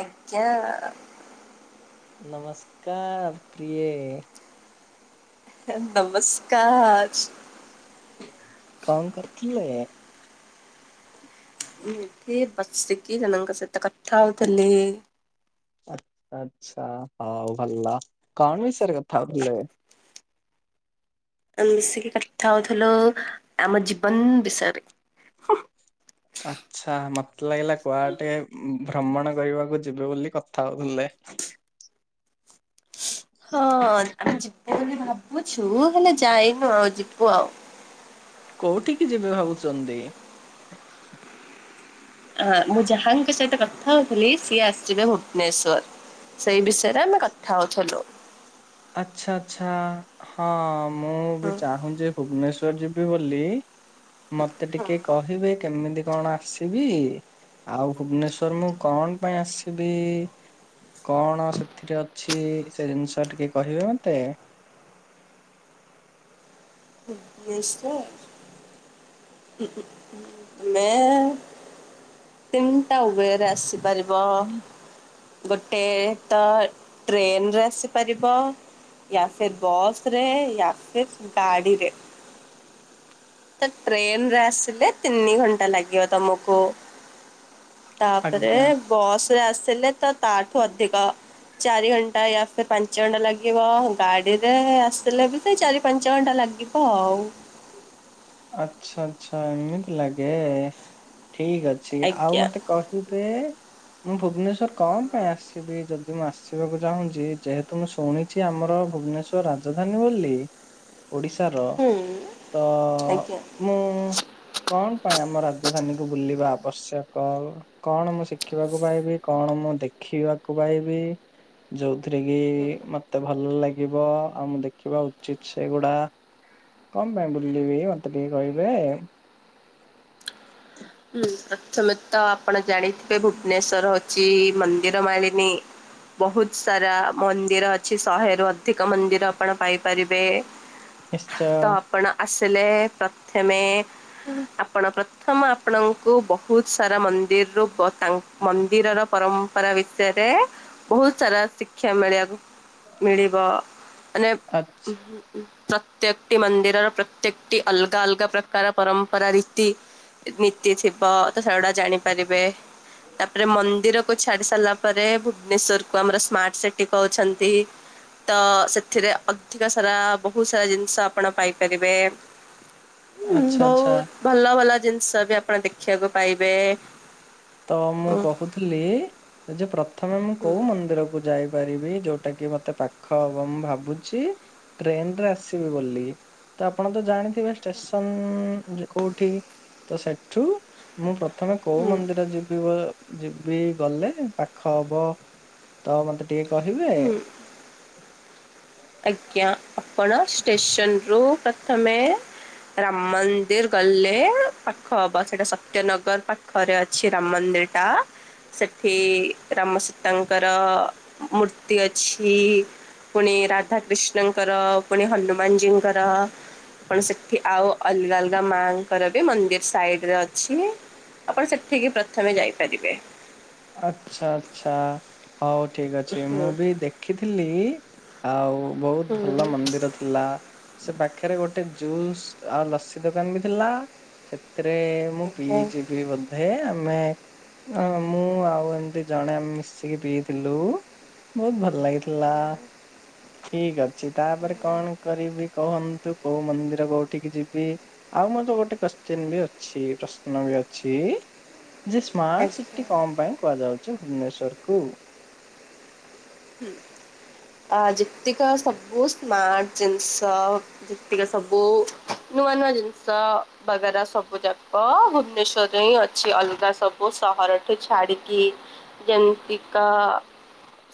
ଆଜ୍ଞା। ନମସ୍କାର ପ୍ରିୟେ। ଏ ନମସ୍କାର। କଣ କରୁଥୁଲେ? ଏଠି ବସିକି ଜଣଙ୍କ ସହିତ କଥା ହୋଉଥିଲି। ଆ ଆଛା ହଉ ଭଲ କଣ ବିଷୟରେ କଥା ହୋଉଥୁଲେ? ଆମେ ମିଶିକି କଥା ହୋଉଥୁଲୁ ଆମ ଜୀବନ ବିଷୟରେ। ଆଛା ମତେ ଲାଗିଲା କୁଆଡେଟିକେ ଉଁ ଭ୍ରମଣ କରିବାକୁ ଯିବେ ବୋଲି କଥା ହୋଉଥୁଲେ। ହଁ ଆମେ ଯିବୁ ବୋଲି ଭାବୁଛୁ ହେଲେ ଯାଇନୁ ଆଉ ଯିବୁ ଆଉ। କୋଉଠିିକି ଯିବେ ଭାବୁଚନ୍ତି? ହାଁ ମୁଁ ଯାହାଙ୍କ ସହିତ କଥା ହୋଉଥିଲି ସିଏ ଆସିିବେ ଭୁବନେଶ୍ଵର। ସେଇ ବିଷୟରେ ଆମେ କଥା ହୋଉଥୁଲୁ। ଆଚ୍ଛା ଆଚ୍ଛା। ହଁ ମୁଁ ହଁ। ବି ଚାହୁଁଛି ଭୁବନେଶ୍ଵର ଯିବି ବୋଲି। ମତେ ଟିକେ କହିବେ କେମିତି କଣ ଆସିବି। ଆଉ ଭୁବନେଶ୍ଵର ମୁଁ କଣ ପାଇଁ ଆସିବି? କଣ ସେଥିରେ ଅଛି ସେ ଜିନିଷ ଟିକେ କହିବେ ମତେ। ନିଶ୍ଚୟ। ମେ ତିନିଟା ୱେ ରେ ଆସିବି। ପାରିବ। ଗୋଟେ ତ ଟ୍ରେନରେ ଆସିପାରିବ। ୟା ଫିର୍ ବସ ରେ ୟା ଫିର୍ ଗାଡିରେ। ତ ଟ୍ରେନେ ରେ ଆସିଲେ ତିନି ଘଣ୍ଟା ଲାଗିବ ତମକୁ। ତାପରେ ଆଜ୍ଞା ବସ୍ ରେ ଆସିଲେ ତ ତାଠୁ ଅଧିକ। ଚାରି ଘଣ୍ଟା ୟା ଫିର୍ ପାଞ୍ଚ ଘଣ୍ଟା ଲାଗିବ ଗାଡିରେ ଆସିଲେ ବି ସେଇ ଚାରି ପାଞ୍ଚ ଘଣ୍ଟା ଲାଗିବ। ହ ଉ। ଆଛା ଆଚ୍ଛା ଏମିତି ଲାଗେ ଠିକ୍ ଅଛି। ସିଏ ଆଉ ଆଜ୍ଞା ମତେ କହିବେ? ମୁଁ ଭୁବନେଶ୍ଵର କଣ ପାଇଁ ଆସିବି ଯଦି ମୁଁ ଆସିବାକୁ ଚାହୁଁଚି ଯେହେତୁ ମୁଁ ଶୁଣି ଚି ଆମର ଭୁବନେଶ୍ଵର ରାଜଧାନୀ ବୋଲି ଓଡିଶାର ହୁଁ ଉଁ ତ ଅ ମୁଁ କଣ ପାଇଁ ଆମ ରାଜଧାନୀ କୁ ବୁଲିବା ଆବଶ୍ୟକ? କଣ ମୁଁ ଶିଖିବାକୁ ପାଇବି କଣ ମୁଁ ଦେଖିବାକୁ ପାଇବି ଯୋଉଥିରେ କି ମତେ ଭଲ ଲାଗିବ ଆଉ ମୁଁ ଦେଖିବା ଉଚିତ ସେଗୁଡା କଣ ପାଇଁ ବୁଲିବି ମତେ ଟିକେ କହିବେ? ହୁଁ ପ୍ରଥମେ ତ ଆପଣ ଜାଣିଥିବେ ଭୁବନେଶ୍ଵର ହଉଚି ମନ୍ଦିର ମାଳିନୀ ବହୁତ ସାରା ମନ୍ଦିର ଅଛି ଶହେରୁ ଅଧିକ ମନ୍ଦିର ଆପଣ ପାଇପାରିବେ ନିଶ୍ଚୟ। ତ ଆପଣ ଆସିଲେ ଏ ପ୍ରଥମେ ଆପଣ ପ୍ରଥମ ଆପଣଙ୍କୁ ବହୁତ ସାରା ମନ୍ଦିରରୁୁ ତା ଙ୍କ ମନ୍ଦିରର ପରମ୍ପରା ବିଷୟରେ ବହୁତ ସାରା ଶିକ୍ଷା ମିଳିବାକୁ ମିଳିବ ମାନେ ଆଚ୍ଛା ପ୍ରତ୍ୟେକଟି ମନ୍ଦିରର ପ୍ରତ୍ୟେକଟି ଅଲଗା ଅଲଗା ପ୍ରକାର ପରମ୍ପରା ରୀତି ନୀତି ଥିବ ତ ସେଗୁଡା ଜାଣିପାରିବେ। ତାପରେ ମନ୍ଦିର କୁ ଛାଡି ସାରିଲା ପରେ ଭୁବନେଶ୍ଵର କୁ ଆମର ସ୍ମାର୍ଟ ସିଟି କହୁଛନ୍ତି। ତ ସେଥିରେ ଅଧିକ ସାରା ବହୁତ ସାରା ଜିନିଷ ଆପଣ ପାଇପାରିବେ। [inaudible] ହୁଁ ଆଚ୍ଛା ଆଚ୍ଛା ବହୁତ ଭଲ ଭଲ ଜିନିଷ ବି ଆପଣ ଦେଖିବାକୁ ପାଇବେ। ତ ମୁଁ ହୁଁ କହୁଥିଲି ଯେ ପ୍ରଥମେ ମୁଁ କୋଉ ମନ୍ଦିରକୁ ଯାଇ ପାରିବି ଯୋଉଟା କି ମତେ ପାଖ ହବ। ମୁଁ ଭାବୁଛି ଟ୍ରେନରେ ଆସିବି ବୋଲି। ତ ଆପଣ ତ ଜାଣିଥିବେ ଷ୍ଟେସନ ଅ କୋଉଠି ତ ସେଠୁ ମୁଁ ପ୍ରଥମେ କୋଉ ମନ୍ଦି ଯିବି ବ ଯିବି ଗଲେ ପାଖ ହବ ତ ମତେ ଟିକେ କହିବେ? ହୁଁ ଆଜ୍ଞା ଆପଣ ଷ୍ଟେସନ ରୁ ପ୍ରଥମେ ରାମ ମନ୍ଦିର ଗଲେ ପାଖ ହବ ସେଇଟା ସତ୍ୟନଗର ପାଖ ଖରେ ଅଛି ରାମ ମନ୍ଦିର ଟା। ସେଠି ରାମସୀତାଙ୍କର ମୂର୍ତ୍ତି ଅଛି। ପୁଣି ରାଧାକୃଷ୍ଣଙ୍କର ପୁଣି ହନୁମାନଜୀଙ୍କର ଆପଣ ସେଠି ଆଉ ଅଲଗା ଅଲଗା ମାଙ୍କର ବି ମନ୍ଦିର ସାଇଡ ରେ ଅଛି। ଆପଣ ସେଠିକି ପ୍ରଥମେ ଯାଇପାରିବେ। ଆଚ୍ଛା ଆଚ୍ଛା ହଉ ଠିକ ଅଛି ମୁଁ ବି ଦେଖିଥିଲି ଆଉ ବହୁତ ହୁଁ ଭଲ ମନ୍ଦିର ଥି ଲା ସେ ପାଖରେ ଗୋଟେ ଜୁସ୍ ଆଉ ଲସି ଦୋକାନ ବି ଥିଲା। ସେଥିରେ ମୁଁ ଆଜ୍ଞା ପିଇଚିବି ବୋଧେ ଆମେ ଅଁ ମୁଁ ଆଉ ଏମିତି ଜଣେ ମିଶିକି ପିଇଥିଲୁ ବହୁତ ଭଲ ଲାଗିଥିଲା। ଠିକ ଅଛି ତାପରେ କଣ କରିବି କହନ୍ତୁ କୋଉ ମନ୍ଦିର କୋଉଠିକି ଯିବି? ଆଉ ମଧ୍ୟ ଗୋଟେ କୋଶ୍ଚିନ୍ ବି ଅଛି ପ୍ରଶ୍ନ ବି ଅଛି ଜିଶି ସ୍ମାର୍ଟ ଆଜ୍ଞା। ସିଟି କଣ ପାଇଁ କୁହାଯାଉଚି ଭୁବନେଶ୍ଵର କୁ? ଆ ଯେତିକ ସବୁ ସ୍ମାର୍ଟ ଜିନିଷ ସେତିକ ସବୁ ନୂଆ ନୂଆ ଜିନିଷ ବଗେରା ସବୁ ଯାକ ଭୁବନେଶ୍ଵରରେ ହିଁ ଅଛି ଅଲଗା ସ ଓ ସହରଠୁ ଛାଡିକି ଜେମିତିିକା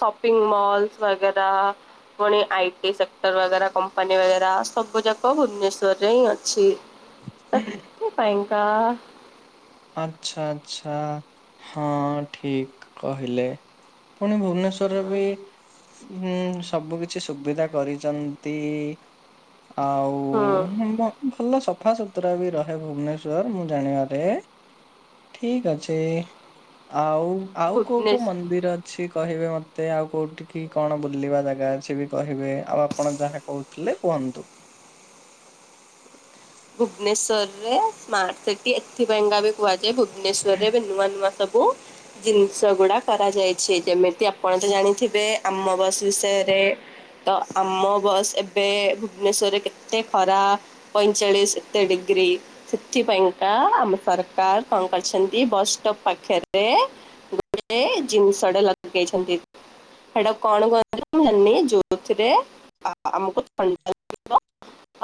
ଶପିଂ ମହଲସ୍ ବାଗେରା ପୁଣି ଆଇଟି ସେକ୍ଟରର ବାଗେରା କମ୍ପାନୀ ବାଗେରା ସବୁ ଯାକ ଭୁବନେଶ୍ଵରରେ ହିଁ ଅଛି। ସେଥିପାଇଁ କା ଆଚ୍ଛା ଆଚ୍ଛା ହଁ ଠିକ୍ କହିଲେ। ପୁଣି ଭୁବନେଶ୍ୱରରେ ବି ହୁଁ ସବୁ କିଛି ସୁବିଧା କରିଚନ୍ତି। ଆଉ ହୁଁ ଭଲ ସବୁ। ସଫାସୁତୁରା ବି ରହେ ଭୁବନେଶ୍ଵର ମୁଁ ଜାଣିବା ରେ। ଠିକ୍ ଅଛି ଆଉ ଆଉ କୋଉ କୋଉ ଭୁବନେଶ ମନ୍ଦିର ଛି କହିବେ ମତେ ଆଉ କୋଉଠି କିି କଣ ବୁଲିବା ଜାଗା ଅଛି ବି କହିବେ ଆଉ ଆପଣ ଯାହା କହୁ ଥିଲେ କୁହନ୍ତୁ। ଭୁବନେଶ୍ୱରରେ ସ୍ମାର୍ଟ ସିଟି ଏଥିପାଇକା ବି କୁହାଯାଏ ଭୁବନେଶ୍ୱର ରେ ଏବେ ନୂଆ ନୂଆ ସବ ବୁ ଜିନିଷ ଗୁଡା କରାଯାଇଛି ଯେମିତି ଆପଣ ତ ଜାଣିଥିବେ ଆମ ବସ୍ ବିଷୟରେ ତ ଆମ ବସ୍ ଏବେ ଭୁବନେଶ୍ଵରରେ କେତେ ଖରାପ୍। ଚାଳିଶି ତା ଡିଗ୍ରୀ। ସେଥି ପାଇଁକା ଆମ ସରକାର କଣ କରିଛନ୍ତି ବସ୍ ଷ୍ଟପ ପାଖେରେ - - ଗୋଟେ ଜିନିଷଟେ ଲଗେଇଛନ୍ତି। ହେଇଟା କୁ କଣ କୁହନ୍ତି ମୁଁ ଜାଣିନି ଯୋଉଥିରେ ଆମକୁ ଥଣ୍ଡା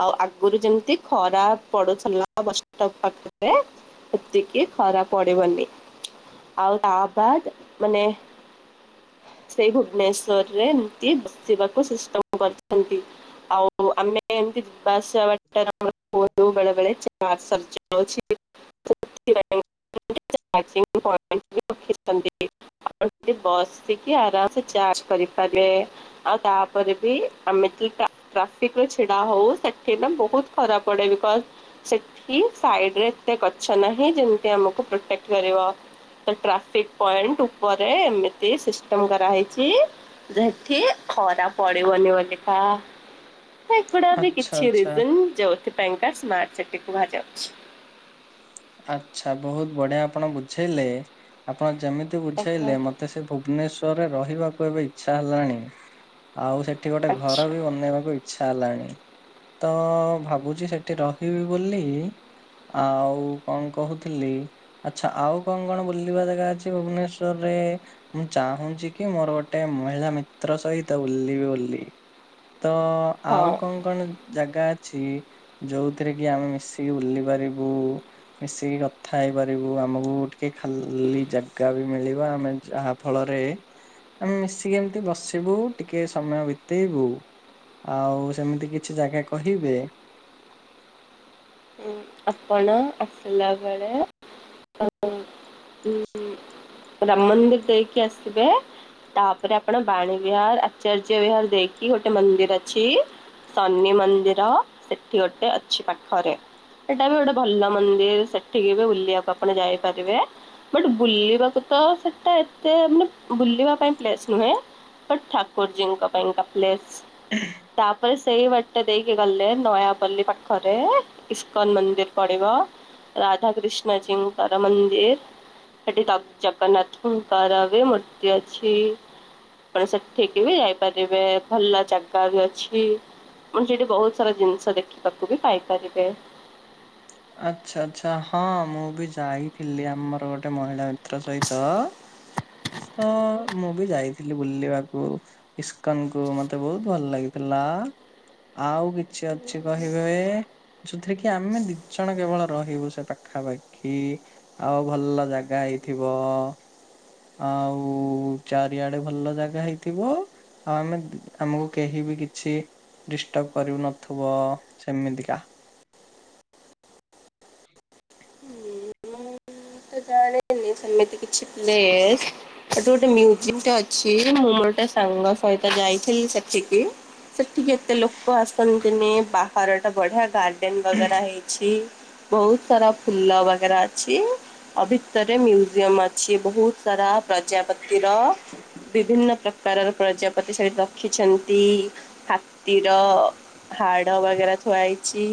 ଆଉ ଆଗରୁ ଯେମିତି ଖରା ପଡୁଥିଲା ବସ୍ ଷ୍ଟପ ପାଖରେ ଏତିକି ଖରା ପଡିବନି ଆଉ ତା ବାଦେ ମାନେ ସେଇ ଭୁବନେଶ୍ଵରରେ ଏମିତି ବସିବାକୁ ସିଷ୍ଟମ କରିଛନ୍ତି। ଆଉ ଆମେ ଏମିତି ଯିବା ଆସିବା ବାଟ [inaudible] [unintelligible] ସେଠି ବସିକି ଆରାମ ସେ ଚାର୍ଜ କରିପାରିବେ। ଆଉ ତାପରେ ବି ଆମେ ଯୁ ଟ୍ରାଫିକ ରେ ଛିଡା ହଉ ସେଠି ନା ବହୁତ - ଖରା ପଡେ ବିକଜ ସେଠି ସାଇଡରେ ଏତେ ଗଛ ନାହିଁ ଯେମିତି ଆମକୁ ପ୍ରୋଟେକ୍ଟ କରିବ। ତ ଟ୍ରାଫିକ ପଏଣ୍ଟ ଉପରେ ଏମିତି ସିଷ୍ଟମ କରାହେଇଚି। ଏଠି ଖରା ପଡିବନି ବୋଲି ପା ଏଗୁଡା ବି ଆଚ୍ଛା କିଛି ଆଚ୍ଛା ରିଯିନ ଯୋଉଥି ପାଇଁକା ସ୍ମାର୍ଟ ସିଟି କୁହାଯାଉଛି। ଆଚ୍ଛା ବହୁତ ବଢିଆ ଆପଣ ବୁଝେଇଲେ ଆପଣ ଯେମିତି ଆଜ୍ଞା ବୁଝେଇଲେ ମତେ ସେ ପୁ ଭୁବନେଶ୍ବରରେ ରହିବାକୁ ଏବେ ଇଚ୍ଛା ହେଲାଣି ଆଉ ସେଠି ଗୋଟେ ଘର ଆଚ୍ଛା ବି ବନେଇବାକୁ ଇ ଇଚ୍ଛା ହେଲାଣି। ତ ଭାବୁଚି ସେଠି ରହିବି ବୋଲି ଆଉ କଣ କହୁଥିଲି ଆଚ୍ଛା ଆଉ କଣ କଣ ବୁଲିବା ଜାଗା ଅଛି ଭୁବନେଶ୍ଵରରେ? ମୁଁ ଚାହୁଁଛି କି ମୋର ଗୋଟେ ମହିଳା ମିତ୍ର ସହିତ ବୁଲିବି ବୋଲି। ତ ଆଉ ହଁ। କଣ କଣ ଜାଗା ଅଛି ଯୋଉଥିରେ କି ଆମେ ମିଶିକି ବୁଲି ପାରିବୁ? ମିଶିକି କଥା ହେଇ ପାରିବୁ ଆମକୁ ଟିକେ ଖାଲି ଜାଗା ବି ମିଳିବ ଆମେ ଯାହା ଫଳରେ ଆମେ ମିଶିକି ଏମିତି ବସିବୁ ଟିକେ ସମୟ ବିତେଇବୁ ଆଉ ସେମିତି କିଛି ଜାଗା କହିବେ ଉଁ ଆପଣ ଆସିଲା ବେଳେ ରାମ ମନ୍ଦିର ଦେଇକି ଆଶିବେ। ତାପରେ ଆପଣ ବାଣୀ ବିହାର ଆଚାର୍ଯ୍ୟ ବିହାର ଦେଇକି ଗୋଟେ ମନ୍ଦିର ଅଛି। ଶନି ମନ୍ଦିର ସେଠି ଗୋଟେ ଅଛି ପାଖରେ। ସେଟା ବି ଗୋଟେ ଭଲ ମନ୍ଦିର ସେଠିକି ବି ବୁଲିବାକୁ ଆପଣ ଯାଇପାରିବେ। ବଟ ବୁଲିବାକୁ ତ ସେଟା ଏତେ ମାନେ ବୁଲିବା ପାଇଁ ପ୍ଲେସ୍ ନୁହେଁ। ବଟ ଠାକୁରଜୀଙ୍କ ପାଇଁ କା ପ୍ଲେସ୍ ତାପରେ ସେଇ ବା ଟେ ଦେଇକି ଗଲେ ନୟାପଲ୍ଲୀ ପାଖରେ ଇସ୍କନ ମନ୍ଦିର ପଡିବ। ରାଧାକ୍ରିଷ୍ଣ ଜୀ ଙ୍କ ର ମନ୍ଦିର ହେଟି ତ ଜଗନ୍ନାଥ ଙ୍କର ବି ମୂର୍ତ୍ତି ଅଛି। ଆପଣ ସେଠିକିବି ଯାଇପାରିବେ ଭଲ ଜାଗା ବି ଅଛି। [unintelligible] ସେଠି ବୋହୁତ ସାରା ଜିନିଷ ଦେଖିବାକୁ ବି ପାଇପାରିବେ। ଆଚ୍ଛା ଆଚ୍ଛା ହଁ ମୁଁ ବି ଯାଇଥିଲି ଆମର ଗୋଟେ ମହିଳା ମିତ୍ର ସହିତ। [inaudible] ତ ମୁଁ ବି ଯାଇଥିଲି ବୁଲିବାକୁ। ଇସ୍କନ୍ କୁ ମତେ ବୋହୁତ ଭଲ ଲାଗିଥିଲା। ଆଉ କିଛି ଅଛି କହିବେ ଯୋଉଥିରେ କି ଆମେ ଦି ଜଣ କେବଳ ରହିବୁ ସେ ପାଖାପାଖି। ଆଉ ଭଲ ଜାଗା ହେଇଥିବ। ଆଉ ଚାରିଆଡେ ଭଲ ଜାଗା ହେଇଥିବ। ଆଉ ଆମେ ଆମୁକୁ କେହି ବି କିଛି ଡିଷ୍ଟର୍ବ କରିବୁ ନଥୁବ ସେମିତିକା। ତ ଜାଣିନି ସେମିତି କିଛି ପ୍ଲେସ। ଏଠୁ ଗୋଟେ ମଜିୟମ ଟେ ଅଛି ମୁଁ ମୋର ଗୋଟେ ସାଙ୍ଗ ସହିତ ଯାଇଥିଲି ସେଠିକି। ସେଠକି ଏତେ ଲୋକ ଆସନ୍ତିିନି ବାହାର ଟା ବଢିଆ [unintelligible] ଡେନ ବଗେରା ହେଇଛି ବୋହୁତ ସାରା ଫୁଲ ବଗେରା ଅଛି। ଆଉ ଭିତରେ ମ୍ୟୁଜିୟମ ଅଛି ବୋହୁତ ସାରା ପ୍ରଜାପତିର ବିଭିନ୍ନ ପ୍ର କାରର ପ୍ରଜାପତି ସେଇଠି ରଖିଛନ୍ତି ହାତୀର ହାଡ ବଗେରା ଥୁଆହେଇଚି।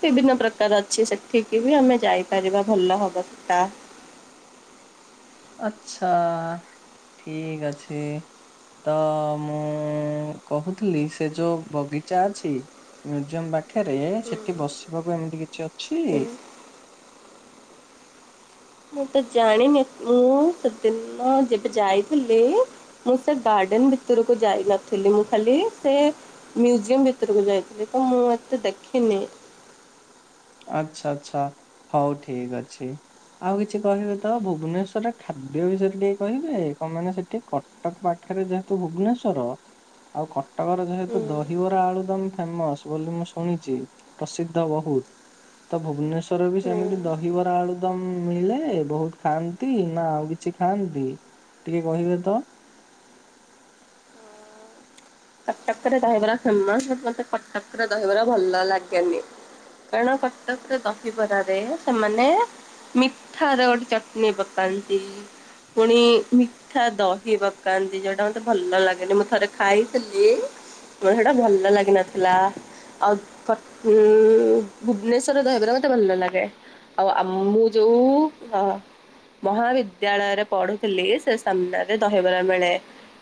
ବିଭିନ୍ନ ପ୍ରକାର ଅଛି ସେଠିକି ବି ଆମେ ଯାଇପାରିବା ଭଲ ହବ ସେଟା। ଆଚ୍ଛା ଠିକ ଅଛି। ତ ମୁଁ କୋହୁଥୁ ଲି ସେ ଯୋଉ ବଗିଚା ଅଛି ମ୍ୟୁଜିୟମ ପାଖେରେ ସେଠି ବସିବାକୁ ଏମିତି କିଛି ଅଛି। ମୁଁ ମୁଁ ତ ଜାଣିନି ମୁଁ ସେଦିନ ଯେବେ ଯାଇଥିଲି। ମୁଁ ସେ ଗାର୍ଡେନ ଭିତୁରୁକୁ ଯାଇ ନଥିଲି ମୁଁ ଖାଲି ସେ ମ୍ୟୁଜିୟମ୍ ଭିତୁରୁକୁ ଯାଇଥିଲି ତ ମୁଁ ଏତେ ଦେଖିନି। ଆଚ୍ଛା ଆଚ୍ଛା ହଉ ଠିକ ଅଛି। ଆଉ କିଛି କହିବେ ତ ଭୁବନେଶ୍ୱର ରେ ଖାଦ୍ୟ ବିଷୟରେ ଟିକେ କହିବେ କଁ ମାନେ ସେଠି କ ଟକ ପାଖେରେ ଯେହେତୁ ଭୁବନେଶ୍ଵର ଆଉ କଟକର ହୁଁ। ଯେହେତୁ ଦ ହିବାର ଆଳୁଦାମ ଫେମସ ବୋଲି ମୁଁ ଶୁଣିଚି ପ୍ରସିଦ୍ଧ ବୋହୁତ। ତ ଭୁବନେଶ୍ୱର ରେ ବି ସେମିତି ଦହିବରା ଆଳୁଦମ ମିଳେ ବୋହୁତ ଖାଆନ୍ତି ନା ଆଉ କି ଛି ଖାଆନ୍ତି ଟିକେ କହିବେ ତ। କଟକରେ ଦହିବରା ଫେମସ ବଟ୍ ମତେ କଟକର ଦହିବରା ଭଲ ଲାଗେନି। କାରଣ କଟକରେ ଦହିବରାରେ ସେମାନେ ମିଠାର ଗୋଟେ ଚଟନୀ ପକାନ୍ତି। ପୁଣି ମିଠା ଦହି ପକାନ୍ତି ଯୋଉଟା ମତେ ଭଲ ଲାଗେନି ମୁଁ ଥରେ ଖାଇଥି ଇଏ ମୋତେ ସେଟା ଭଲ ଲାଗିନଥିଲା। ଆଉ କ ଉଁ ଭୁବନେଶ୍ଵର ର ଦହିବରା ମୋତେ ଭଲ ଲାଗେ। ଆଉ ଆ ମୁଁ ଯୋଉ ମହାବିଦ୍ୟାଳୟରେ ପଢୁଥିଲି ସେ ସାମ୍ନାରେ ଦହିବରା ମିଳେ।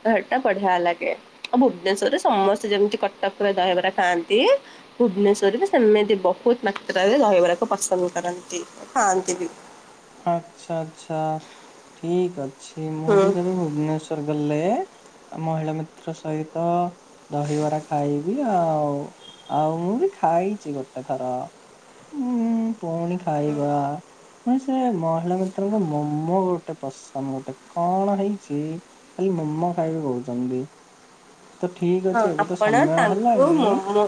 ହେ ଟା ବଢିଆ ଲାଗେ ଆଉ ଭୁବନେଶ୍ଵରରେ ସମସ୍ତେ ଯେମିତି କଟକରେ ଦହିବରା ଖାଆନ୍ତି ଭୁବନେଶ୍ୱର ରେ ସେମିତି ବହୁତ୍ ମାତ୍ରାରେ ଦହିବରା କୁ ପସନ୍ଦ କରନ୍ତି ଖାଆନ୍ତି ବି। ଆଚ୍ଛା ଆଚ୍ଛା ଠିକ୍ ଅଛି ମୁଁ ହୁଁ ବି କେବେ ଭୁବନେଶ୍ଵର ଗଲେ ମହିଳା ମିତ୍ର ସହିତ ଦହିବରା ଖାଇବି ଆଉ। ଆଉ ମୁଁ ବି ଖାଇଛି ଗୋଟେ ଥର ଉଁ ପୁଣି ଖାଇବା ହଁ ସେ ମହିଳା ମିତ୍ରଙ୍କୁ ମୋମୋ ଗୋଟେ ପସନ୍ଦ ଗୋଟେ କଣ ହେଇଛି ଖାଲି ମୋମୋ ଖାଇକବେ କହୁଛନ୍ତି। ତ ଠିକ୍ ହଁ ଅଛି ଏବେ ତ ଆପଣ ସମୟ ତାଙ୍କୁ ହେଲାଣି ମୋମୋ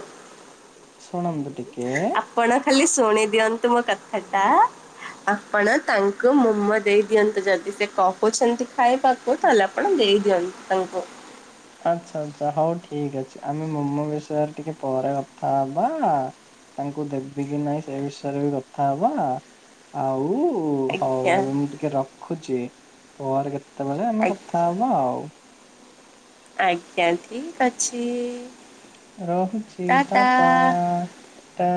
ଶୁଣନ୍ତୁ ଟିକେ ଆପଣ ଖାଲି ଶୁଣି ଦିଅନ୍ତୁ ମୋ କଥାଟା ଆପଣ ତାଙ୍କୁ ମୋମୋ ଦେଇ ଦିଅନ୍ତୁ ଯଦି ସେ କହୁଛନ୍ତି। ଖାଇବାକୁ ତାହେଲେ ଆପଣ ଦେଇଦିଅନ୍ତୁ ତାଙ୍କୁ। ଆଚ୍ଛା ଆଚ୍ଛା ହଉ ଠିକ୍ ଅଛି ଆମେ ମୋମୋ ବିଷୟରେ ଟିକେ ପରେ କଥା ହବା। ତାଙ୍କୁ ଦେବି କି ନାଇଁ ସେ ବିଷୟରେ ବି କଥା ହବା ଆଉ ହଉ ଆଜ୍ଞା ଏବେ ମୁଁ ଟିକେ ରଖୁଛି ପଅରେ କେତେବେଳେ ଆମେ କଥା ଆଜ୍ଞା ହବ ଆଉ। ଆଜ୍ଞା ଠିକ୍ ଅଛି। ରହୁଛି ଟା ଟା ଟା।